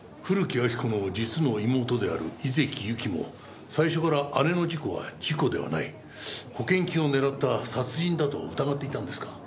古木亜木子の実の妹である井関ゆきも最初から姉の事故は事故ではない保険金を狙った殺人だと疑っていたんですか？